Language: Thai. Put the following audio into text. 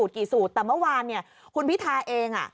กี่สูตรแต่เมื่อวานคุณพิทาเอง